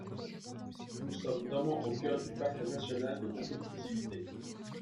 Nous sommes vraiment au cœur du pacte national de compétitivité.